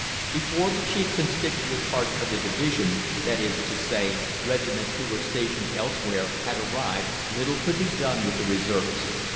Before the chief constituent parts of the division that is to say, regiments who were stationed elsewhere had arrived little could be done with the reservists.